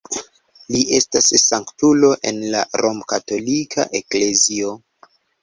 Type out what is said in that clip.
Li estas sanktulo en la romkatolika eklezio.